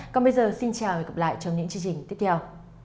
còn bây giờ xin chào và hẹn gặp lại trong những chương trình tiếp theo